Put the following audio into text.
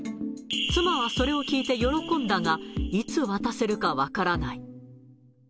妻はそれを聞いて喜んだが、いつ渡せるか分からない。